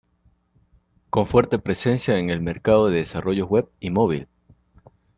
Con fuerte presencia en el mercado de desarrollos web y mobile.